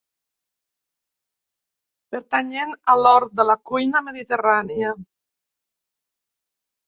Pertanyent a l'or de la cuina mediterrània.